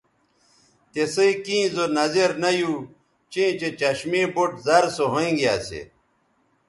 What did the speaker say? تِسئ کیں زو نظر نہ یو چیں چہء چشمے بُٹ زر سو ھوینگے اسی